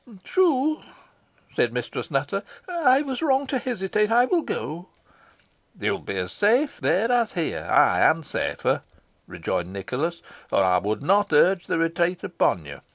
"True," said Mistress Nutter, "I was wrong to hesitate. I will go." "You will be as safe there as here ay, and safer," rejoined Nicholas, "or I would not urge the retreat upon you.